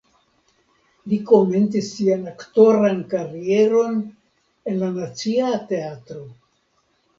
Li komencis sian aktoran karieron en la Nacia Teatro.